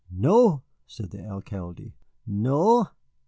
"No," said the Alcalde, "no.